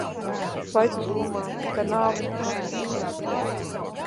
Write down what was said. Vai tu domā, ka nāve nāk un iet?